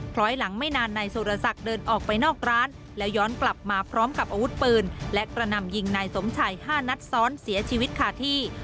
ร้อยหลังไม่นานนายสุรศักดิ์เดินออกไปนอกร้านแล้วย้อนกลับมาพร้อมกับอาวุธปืนและกระหน่ำยิงนายสมชัย๕นัดซ้อนเสียชีวิตขาดที่